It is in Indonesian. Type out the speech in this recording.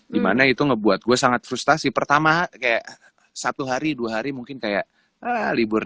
dimana itu ngebuat gue sangat frustasi pertama kayak satu hari dua hari mungkin kayak libur